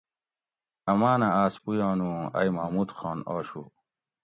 امانہ آۤس پویانو اوں ائی محمود خان آشو